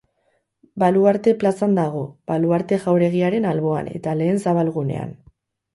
Baluarte plazan dago, Baluarte jauregiaren alboan, eta Lehen Zabalgunean.